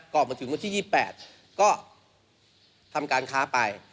มาถึงวันที่๒๘ก็ทำการค้าไป